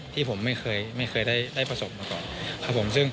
ที่ผมไม่เคยได้ผสมมาก่อนครับผม